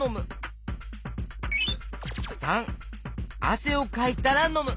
③あせをかいたらのむ。